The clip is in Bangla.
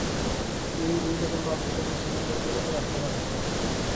তিনি দুই রকম পাপ থেকে মুসলমানদের বিরত থাকার কথা বলেন।